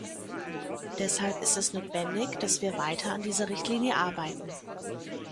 Deshalb ist es notwendig, dass wir weiter an dieser Richtlinie arbeiten.